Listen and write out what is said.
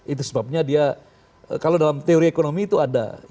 itu sebabnya dia kalau dalam teori ekonomi itu ada